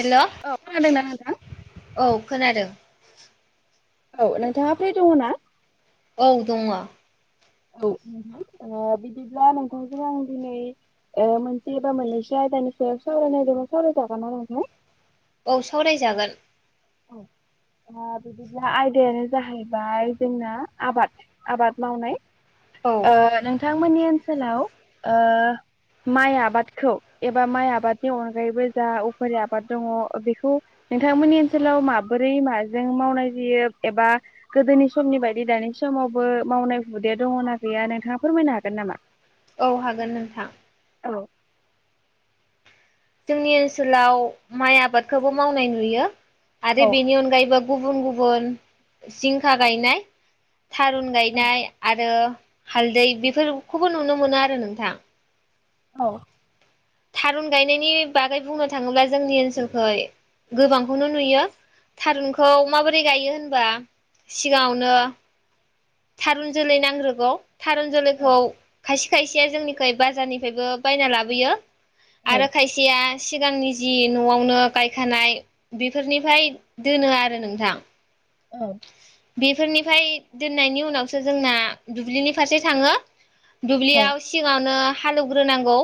हेल' खोनादोंना नोंथां औ खोनादों। औ नोंथाङा फ्रि दङ' ना? औ दङ'। औ ओ बिदिब्ला नोंथांजों आं दिनै ओ मोनसे एबा मोननैसो आयदानि सायाव सावरायनो नागेरदोंमोन सावराय जागोन ना नोंथां? औ सावरायजागोन। औ ओ बिदिब्ला आयदायानो जाहैबाय जोंना आबाद आबाद मावनाय। औ ओ नोंथांमोननि ओनसोलाव ओ माइ आबादखौ एबा माइ आबादनि अनगायैबो जा उफेरा आबाद दङ बेखौ नोंथांमोननि ओन -सोलाव माबोरै माजों मावनाय जायो एबा गोदोनि समनि बायदि दानि समावबो मावनाय हुदाया दङ'ना गैया नोंथाङा फोरमायनो हागोन नामा? औ हागोन नोंथां। औ जोंनि ओनसोलाव माइ आबादखौबो मावनाय नुयो आरो औ बेनि अनगायैबो गुबुन गुबुन जिंखा गायनाय थारुन औ गायनाय आरो हालदै बेफोरखौबो नुनो मोनो आरो नोंथां। औ। थारुन गायनायनि बागै बुंनो थाङोब्ला जोंनि ओनसोलखै गोबांखौनो नुयो। थारुनखौ माबोरै गायो होनबा सिगाङावनो थारुन जोलै नांग्रोगौ थारुन जोलैखौ खायस खायसेया जोंनिखै बाजारनिफ्रायबो बायना लाबोयो औ आरो खायसेया सिगांनि जि न'आवनो गायखानाय बेफोरनिफ्राय दोनो आरो नोंथां। औ। बेफोरनिफ्राय दोननायनि उनावसो जोंना दुब्लिनि फारसे थाङो। औ दुब्लियाव सिङावनो हालौवग्रोनांगौ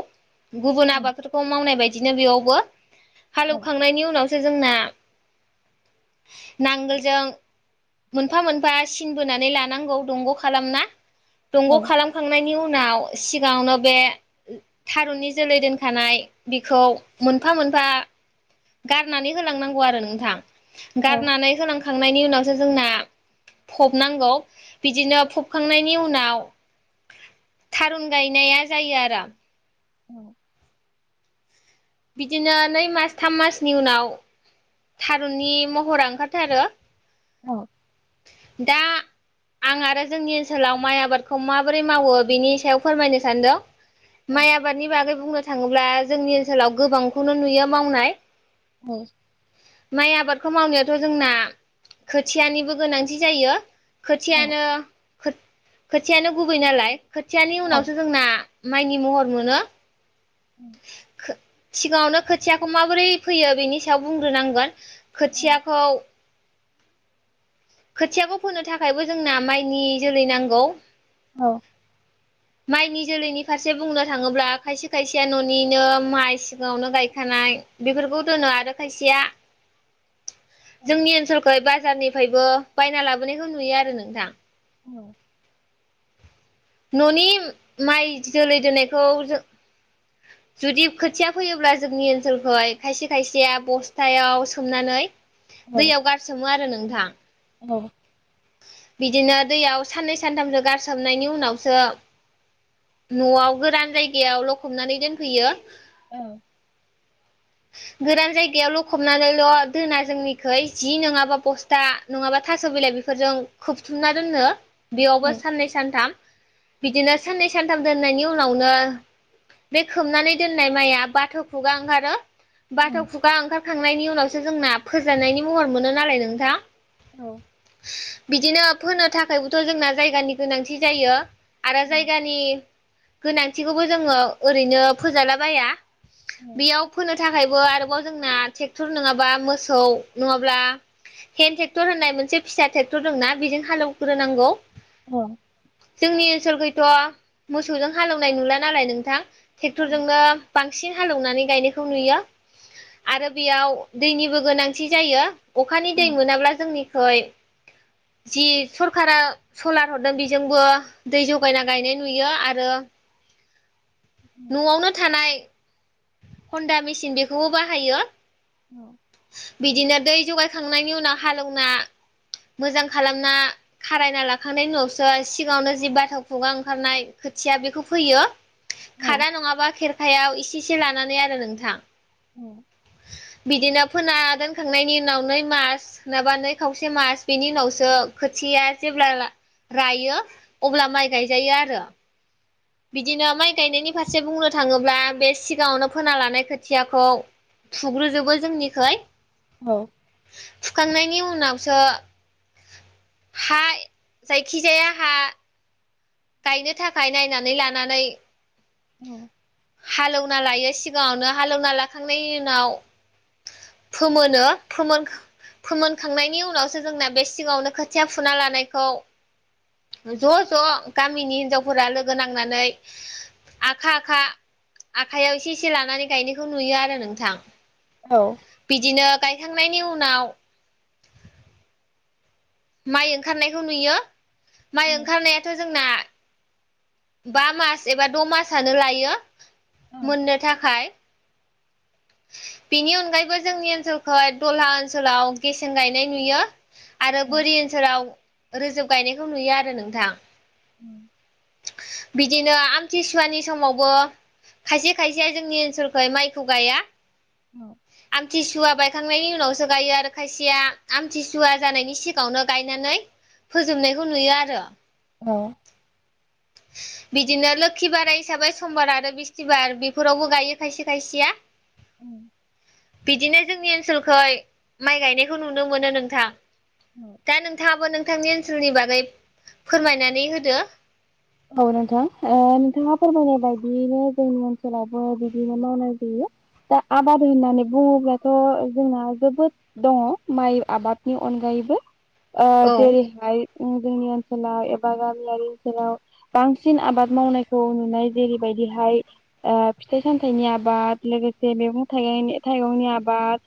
गुबुन आबादफोरखौ मावनाय बायद दिनो बेयावबो हालौखांनायनि उनाव सो जोंना नांगोलजों मोनफा मोनफा सिन बोनानै लानांगौ दंग' खालामना। औ दंग' खालामखांनायनि उन उनाव सिगाङावनो बे थारुननि जोलै दोनखानाय बिखौ मोनफा मोन - फा गारनानै होलांनांगौ आरो नोंथां औ गारनानै होलां खांनायनि उनावसो जोंना फबनांगौ बिदिनो फबखांनायनि उनाव थारुन गायनाया जायो आरो औ बिदिनो नै मास थाम मासनि उनाव थारुननि महरा ओंखार थारो औ दा आं आरो जोंनि ओनसोलाव माइ आबादखौ माबोरै मावो बिनि सायाव फोरमायनो सानदों माइ आबादनि बागै बुंनो थाङोब्ला जोंनि ओनसोलाव गोबांखौनो नुयो मावनाय। औ माइ आबादखौ मावनायाथ' जोंना खोथियानिबो गोनांथि जायो खोथियानो खोथियानो गुबै नालाय खोथियानि उनावसो जोंना माइनि महर मोनो उम सिगाङावनो खोथियाखौ माबोरै फैयो बेनि सायाव बुंग्रोनांगोन खोथियाखौ खोथियाखौ फोनो थाखायबो जोंना माइनि जोलै नांगौ औ माइनि जोलैनि फारसे बुंनो थाङोब्ला खायसे खायसेया न'निनो माइ सिगाङावनो गायखानाय बेफोरखौ दोनो आरो खायसेया जोंनि ओनसोलखौ बाजारनिफ्रायबो बायना लाबोनायखौ नुयो आरो नोंथां औ न'नि माइ जोलै दोनायखौ जों जुदि खोथिया फैयोब्ला जोंनि ओनसोलखौ खायसे खायसे बस्थायाव सोमनानै दैयाव गारसोमो आरो नोंथां औ बिदिनो दैयाव साननै सानथामसो गारसोबनायनि उनावसो न'आव गोरान जायगायाव लखबनानै दोनफैयो औ [inaudible] गोरान जायगायावल' खबनानैल' दोना जोंनिखै जि नङाबा बस्था नङाबा थास' बिलाय बेफोरजों खोबथुबना दोननो बेयावबो साननै सानथाम बिदिनो साननै सानथाम दोननायनि उनावनो बे खोबनानै दोननाय माइया बाथो खुगा ओंखारो बाथो खुगा ओंखार खांनायनि उनावसो जोंना फोजानायनि महर मोनो नालाय नोंथां औ बिदिनो फोनो थाखायबोथ' जोंना जायगानि गोनांथि जायो आरो जायगानि गोनांथिखौबो जोङो ओरैनो फोजालाबाया बेयाव फोनो था खायबो आरोबाव जोंना ट्रेक्टर नङाबा मोसौ नङाब्ला हेन्द ट्रेक्टर होननाय मोनसे फिसा ट्रेक्टर दंना बेजों हालेवग्रोनांगौ औ जोंनि ओनसोलखैथ' मोसौजों हालेवनाय नुला नालाय नोंथां औ ट्रेक्टरजोंनो बांसिन हालेवनानै गायनायखौ नुयो आरो बेयाव दैनिबो गोनांथि जायो। अखानि दै मोनाब्ला जोंनिखै जि सरखारा सलार हरदों बेजोंबो दै जगायना गायनाय नुयो आरो न'आवनो थानाय हन्दा मेचिन बेखौबो बाहायो बिदिनो दै जगायखांनायनि उनाव हालेवना मोजां खालामना खारायना लाखांनायनि उनावसो सिगाङावनो जि बाथ' खुगा ओंखारनाय खोथिया बेखौ फैयो खादा नङाबा खेरखायाव एसे एसे लानानै आरो नोंथां औ बिदिनो फोना दोनखांनायनि उनाव नै मास नङाबा नै खावसे मास बिनि उनावसो खोथि या जेब्ला रायो अब्ला माइ गायजायो आरो। बिदिनो माइ गायनायनि फारसे बुंनो थाङोब्ला बे सिगाङावनो फोना लानाय खोथियाखौ फुग्रोजोबो जोंनिखै फुखांनायनि उन नावसो हा जायखिजाया हा गायनो थाखाय नायनानै लानानै औ हालेवना लायो सिगाङावनो हालेवना लाखांनायनि उनाव फोमोनो फोमोन फोमोनखांनायनि उनावसो जोंना बे सिगाङावनो खोथिया फुना लानायखौ ज' ज' गामिनि हिनजावफोरा लोगो नांनानै आखा आखा आखाइयाव एसे एसे लानानै गायनायखौ नुयो आरो नोंथां बिदिनो गायखांनायनि उनाव माइ ओंखारनायखौ नुयो माइ ओंखारनायाथ' जोंना बा मास एबा द' मासानो लायो मोननो थाखाय बेनि अनगायैबो जोंनि ओनसोलखै दलहा ओनसोलाव गेसें गायनाय नुयो आरो बोरि ओनसोलाव रोजोब गायनायखौ नुयो आरो नोंथां उम बिदिनो आमतिसुवानि समावबो खायसे खायसेया जोंनि ओनसोलखै माइखौ गाया औ आमथिसुवा बायखांनायनि उनावसो गायो आरो खायसेया आमथिसुवा जानायनि सिगाङावनो गायनानै फोजोबनायखौ नुयो आरो औ [inaudible] [unintelligible] बिदिनो लोखि बारा हिसाबै समबार आरो बिस्थिबार बेफोरावबो गायो खायसे खायसेया बिदिनो जोंनि ओनसोलखै माइ गायनायखौ नुनो मोनो नोंथां दा नोंथाङाबो नोंथांनि ओनसोलनि बागै फोरमायनानै होदो औ नोंथां नोंथाङा फोरमायनाय बायदियैनो जोंनि ओनसोलावबो बिदिनो मावनाय जायो दा आबाद होननानै बुङोब्लाथ' जोंना जोबोद दङ माइ आबादनि अनगायै औ जेरैहाय जोंनि ओनसोलाव एबा गामियारि ओनसोलाव बांसिन आबाद मावनायखौ नुनाय जेरैबायदिहाय फिथाइ सामथाइनि आबाद से मैगं थाइगंनि थाइगंनि आबाद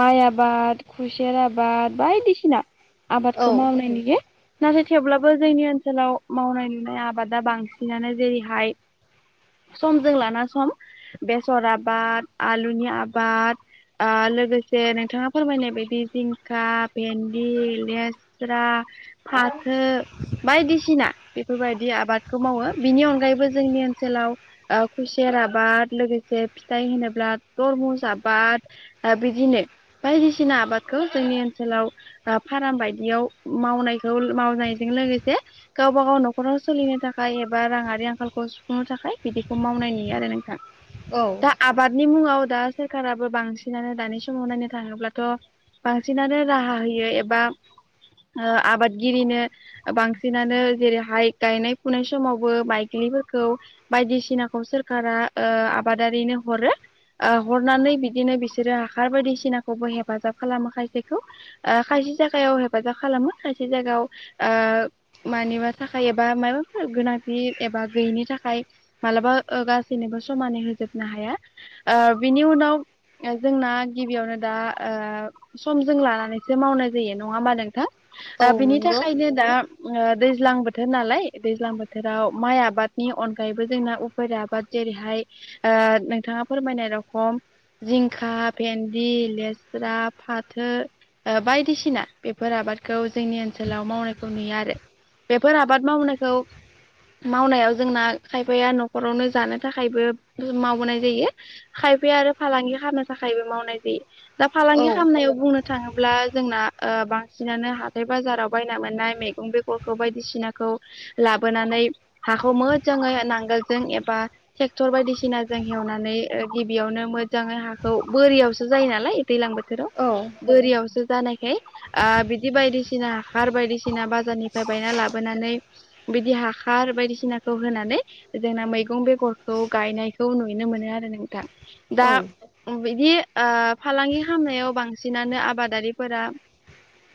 माइ आबाद खुसेर आबाद बायदिसिना औ आबादखौ मावनाय नुयो नाथाय थेवब्लाबो जोंनि ओनसोलाव मावनाय नुनाय आबाद आबादा बांसिनानो जेरैहाय समजों लाना सम बेसर आबाद आलुनि आबाद ओ लोगोसे नोंथाङा फोरमायनाय बायदि जिंखा भेन्दि लेस्रा फाथो बायदिसिना बेफोरबायदि आबादखौ मावो बिनि अनगायैबो जोंनि ओनसोलाव खुसेर आबाद लोगोसे फिथाइ होनोब्ला तरमुस आबाद बिदिनो बायदिसिना आबादखौ जोंनि ओनसोलाव फाराम बायदियाव मावनायखौ मावनायजों लोगोसे गावबा गाव न'खर न'खराव सोलिनो थाखाय एबा राङारि आंखालखौ सुफुंनो थाखाय बिदिखौ मावनाय नुयो आरो नोंथां औ दा आबादनि मुंङाव दा सरखाराबो बांसिनानो दानि समाव नायनो थाङोब्लाथ' बांसिनानो राहा होयो एबा आबादगिरिनो बांसिनानो जेरैहाय गायनाय फुनाय समावबो माइग्लिफोरखौ बायदिसिनाखौ सोरखारा ओ आबादारिनो हरो ओ हरनानै बिदिनो बिसोरो हासार बायदिसिनाखौबो हेफाजाब खालामो खायसेखौ खायसे जि जायगायाव हेफाजाब खालामो खायसे जायगायाव ओ मानिबा थाखाय एबा माबाफोर गोनांथि एबा गैयिनि थाखाय मालाबा ओ गासैनोबो समानै होजोब हाया ओ बिनि उनाव ओ जोंना गिबियावनो दा ओ समजों लानानैसो मावनाय जायो नङा होनबा नोंथां ओ औ बिनि नंगौ थाखायनो दा ओ दाज्लां बोथोर बोथोर नालाय दैज्लां बोथोराव माइ आबादनि अनगायैबो जोंना उफेर आबाद जेरैहाय ओ नोंथाङा फोरमायनाय रखम जिंखा भेन्दि लेस्रा फाथो ओ बायदिसिना बेफोर आबादखौ जोंनि ओनसोलाव मावनायखौ नुयो आरो बे फोर आबाद मावनायखौ मावनायाव जोंना खायफाया नखरावनो जानो थाखायबो मावबोनाय जायो खायफाया आरो फालांगि खालामनो थाखायबो मावनाय जायो दा औ फालांगि खालामनायाव बुंनो थाङोब्ला जोंना ओ बांसिनानो हाथाय बाजाराव बायना मोननाय मैगं बेगरखौ बाय बायदिसिनाखौ लाबोनानै हाखौ मोजाङै नांगोलजों एबा ट्रेक्टर बायदि बायदिसिनाजों हेवनानै ओ गिबियावनो मोजाङै हाखौ बोरियावसो जायो नालाय दैलां बोथोराव औ बोरिआवसो जानायखाय ओ बिदि बायदिसिना हाखार बायदिसिना बाजारनिफ्राय बायना लाबो नानै बिदि हाखार बायदिसिनाखौ होनानै जोंना मैगं बेगरखौ गायनाय बेखौ नुनो मोनो आरो नोंथां दा औ बिदि ओ फालांगि खामनायाव बांसिनानो आबादारिफोरा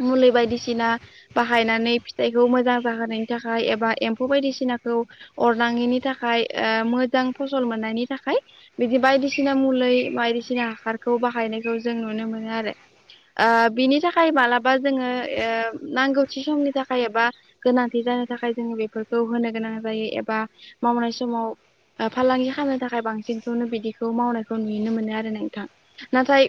मुलि बायदिसिना बाहायनानै फिथाइखौ मोजां होनायनि थाखाय एबा एम्फौ बायदिसिनाखौ अरनाङैनि थाखाय ओ मोजां फसल मोन नि थाखाय बिदि बायदिसिना मुलै बायदिसिना हाखारखौ बाहायनायखौ जों नुनो मोनो आरो ओ बिनि थाखाय मालाबा जोङो नांगौथि समनि थाखाय एबा गोनांथि जानो थाखाय जोङो बेफोरखौ होनो गोनां जायो एबा मावनाय समाव ओ फालांगि खालामानो थाखाय बांसिनखौनो बिदिखौ मावनायखौ नुनो मोनो आरो नोंथां नाथाय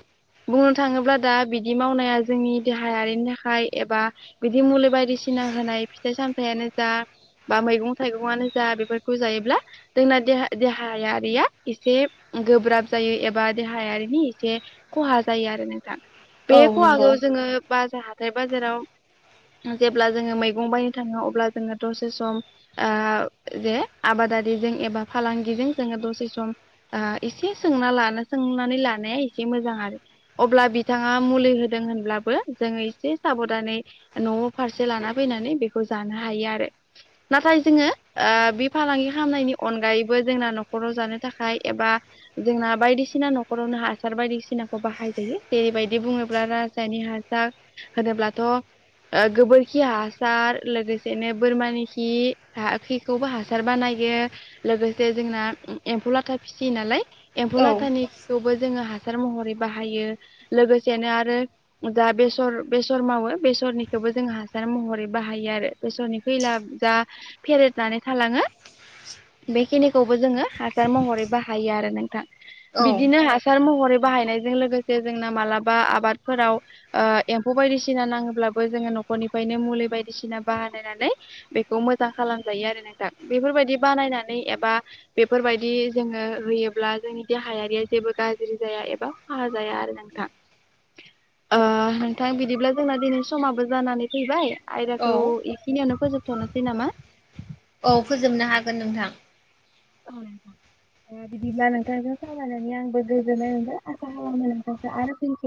बुंनो थाङोब्ला दा बिदि मावनाया जोंनि देहायारिनि थाखाय एबा बिदि मुलि बायदिसिना फिना होनाय फिथाइ सामथायानो जा बा मैगं थाइगङानो जा बेफोरखौ जायोब्ला जोंना देहा देहायारिया एसे गोब्राब जायो एबा देहायारिनि एसे खहा जायो आरो नोंथां औ बे नंगौ खहाखौ जोङो बाजा हाथाय बाजाराव जेब्ला जोङो मैगं बाय थाङो अब्ला जोङो दसे सम ओ जे आबादारिजों एबा फालांगिजों जोङो दसे सम इसे सोंना लानो सोंनानै लानाया एसे मोजां आरो अब्ला बिथां बिथाङा मुलि होदों होनब्लाबो जोङो इसे साबदानै न फारसे लाना फैनानै जानो हायो आरो नाथाय जोङो ओ बे फालांगि खालामनायनि अनगायैबो जोंना नखर नखराव जानो थाखाय एबा जोंना बायदिसिना नखरावनो हासार बायदिसिनाखौ बाहाय जायो जेरै बे बायदि बुङोब्ला रासायनिक हासार होनोब्लाथ ओ गोबोरखि हासार लोगोसेनो बोरमानि खि खिखौबो हासार बानायो लोगोसे जोंना एम्फौ लाथा फिसियो नालाय एम्फौ औ लाथानि खिखौबो जोङो हासार महरै बाहायो लोगोसेनो आरो दा बेसर बेसर मावो बे निखौबो जों हासार महरै बाहा- जायो आरो बेसरनि फैला जा फेरेदनानै थालाङो बेखिनिखौबो जोङो हासार महरै बाहायो आरो नोंथां औ बिदिनो हासार महरै बाहायनायजों लोगोसे जोंना मालाबा आबादफोराव ओ एम्फौ बायदिसिना नाङोब्लाबो जोङो गनिफ्रायनो मुलि बायदि बायदिसिना बानायनानै बेखौ मोजां खालामजायो आरो नोंथां बेफोरबायदि बानायनानै एबा बेफोरबायदि जोङो होयोब्ला जोंनि देहायारिया जेबो गाज्रि जाया एबा खहा जाया आरो नों नोंथां ओ बिदिब्ला जोंना दिनै समाबो जानानै फैबाय औ तु इखिनियावनो फोजोबथनोसै नामा औ फोजोबनो हागोन नोंथां अ [unintelligible] बिदिब्ला नोंथांजों सावरायनानै आंबो गोजोननाय मोनबाय आसा खालामो नोंथांजों आरो फिन